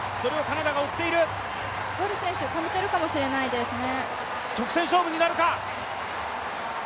ボル選手、ためてるかもしれないですね。